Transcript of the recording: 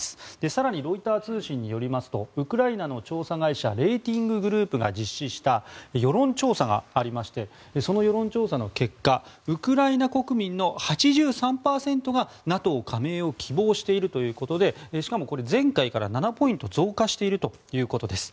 更にロイター通信によりますとウクライナの調査会社レーティング・グループが実施した世論調査がありましてその世論調査の結果ウクライナ国民の８３％がＮＡＴＯ加盟を希望しているということでしかもこれ前回から７ポイント増加しているということです。